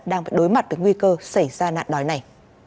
đang phải đối mặt với nguy cơ xảy ra nạn đói này